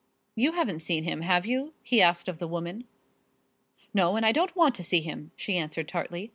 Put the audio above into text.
"You haven't seen him, have you?" he asked of the woman. "No, and I don't want to see him," she answered tartly.